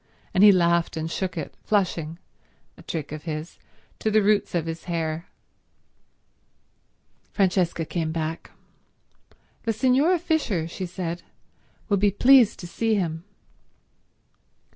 And he laughed and shook it, flushing—a trick of his—to the roots of his hair. Francesca came back. "The Signora Fisher," she said, "will be pleased to see him."